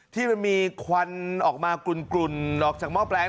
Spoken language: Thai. ที่มันมีควันออกมากลุ่นออกจากหม้อแปลง